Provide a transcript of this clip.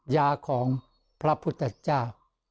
ยาของพระพุทธเจ้า